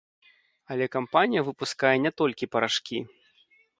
Але кампанія выпускае не толькі парашкі.